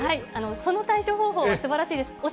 その対処方法はすばらしいです。